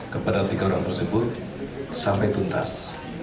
kepada tiga orang tersebut sampai tuntas